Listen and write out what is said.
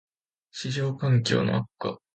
① 市場環境の悪化